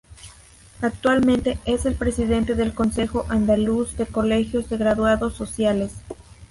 Actualmente es el Presidente del Consejo Andaluz de Colegios de Graduados Sociales.